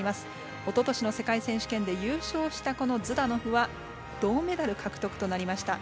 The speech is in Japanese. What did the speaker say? おととしの世界選手権で優勝したズダノフは銅メダル獲得となりました。